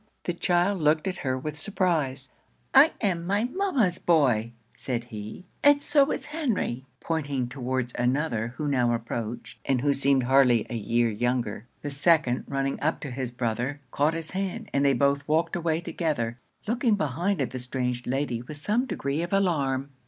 The child looked at her with surprise. 'I am my mamma's boy,' said he, 'and so is Henry,' pointing towards another who now approached, and who seemed hardly a year younger. The second running up to his brother, caught his hand, and they both walked away together, looking behind at the strange lady with some degree of alarm.